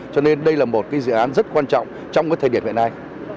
cho nên đây là một dự án rất quan trọng trong thời điểm hiện nay